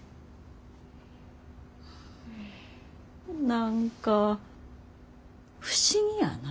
何か不思議やな。